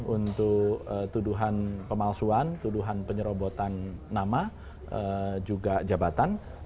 untuk tuduhan pemalsuan tuduhan penyerobotan nama juga jabatan